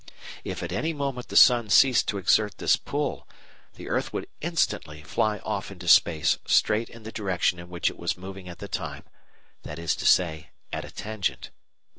If at any moment the sun ceased to exert this pull the earth would instantly fly off into space straight in the direction in which it was moving at the time, that is to say, at a tangent.